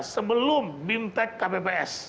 sebelum bimtek kpps